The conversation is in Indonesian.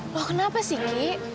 loh kenapa sih ki